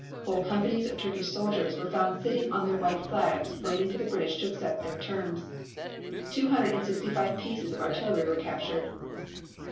Whole companies of Turkish soldiers were found sitting on their white flags waiting for the British to accept their terms. Two hundred sixty five pieces of artillery were captured.